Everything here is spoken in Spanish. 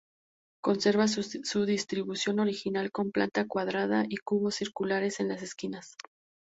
Conserva su distribución original, con planta cuadrada y cubos circulares en las esquinas.